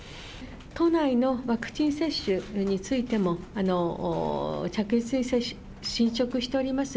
都内のワクチン接種についても、着実に進捗しております。